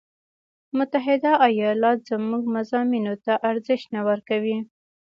متحده ایالات زموږ مضامینو ته ارزش نه ورکوي.